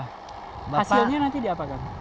hasilnya nanti diapakan